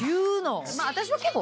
私は結構。